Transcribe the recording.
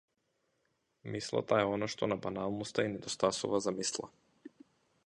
Мислата е она што на баналноста и недостасува за мисла.